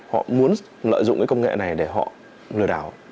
họ muốn lợi dụng cái công nghệ này để họ lừa đảo